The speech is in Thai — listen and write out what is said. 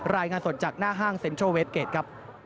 รายงานสดจากหน้าห้างเซ็นทรัลเวทเกจครับ